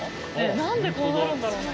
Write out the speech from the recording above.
何でこうなるんだろうね？